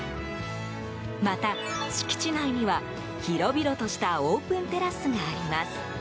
また、敷地内には広々としたオープンテラスがあります。